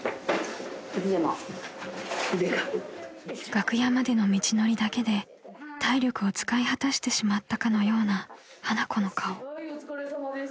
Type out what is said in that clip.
［楽屋までの道のりだけで体力を使い果たしてしまったかのような花子の顔］